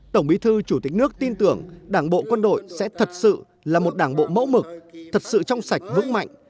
tổng bí thư chủ tịch nước tin tưởng đảng bộ quân đội sẽ thật sự là một đảng bộ mẫu mực thật sự trong sạch vững mạnh